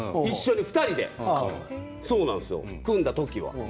２人で組んだ時は。